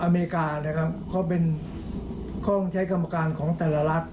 อเมริกาเขาเป็นคล่องใช้กรรมการของแต่ละรัฐ